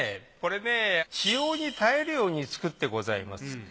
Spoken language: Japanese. これね使用に耐えるように作ってございます。